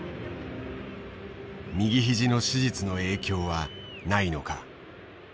右肘の手術の影響はないのか。